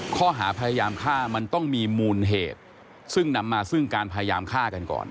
ข้อหาพยายามฆ่ามันต้องมีมูลเหตุซึ่งนำมาซึ่งการพยายามฆ่ากันก่อน